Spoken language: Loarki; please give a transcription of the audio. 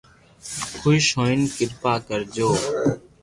خوݾ ھوئين ڪرپا ڪرجو